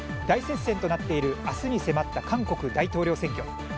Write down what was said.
大接戦となっている明日に迫った韓国大統領選挙。